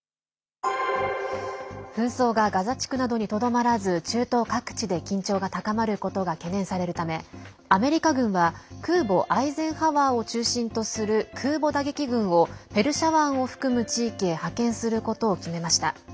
紛争がガザ地区などにとどまらず中東各地で緊張が高まることが懸念されるためアメリカ軍は空母アイゼンハワーを中心とする空母打撃群をペルシャ湾を含む地域へ派遣することを決めました。